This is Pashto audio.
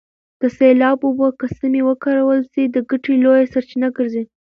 د سیلاب اوبه که سمې وکارول سي د ګټې لویه سرچینه ګرځي.